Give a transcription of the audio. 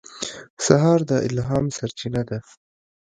سهار د الهام سرچینه ده.